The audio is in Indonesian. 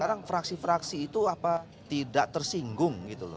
sekarang fraksi fraksi itu tidak tersinggung